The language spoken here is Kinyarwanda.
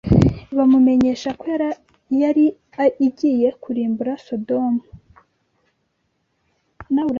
bamumenyesha ko yari igiye kurimbura Sodomu